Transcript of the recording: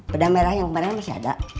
bedah merah yang kemarin masih ada